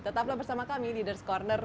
tetaplah bersama kami leaders' corner